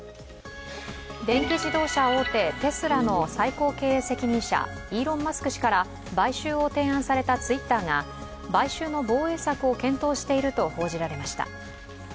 電気自動車大手テスラの最高経営責任者イーロン・マスク氏から買収を提案されたＴｗｉｔｔｅｒが買収の防衛策を検討していると報じられました。